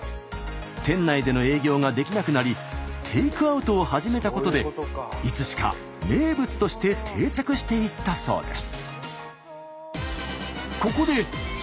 店内での営業ができなくなりテイクアウトを始めたことでいつしか名物として定着していったそうです。